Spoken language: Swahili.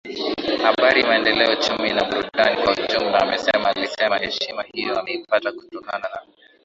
habari maendeleo uchumi na burudani kwa ujumla amesema Alisema heshima hiyo ameipata kutokana na